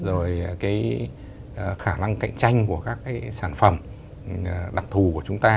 rồi cái khả năng cạnh tranh của các cái sản phẩm đặc thù của chúng ta